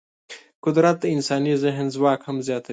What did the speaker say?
قدرت د انساني ذهن ځواک هم زیاتوي.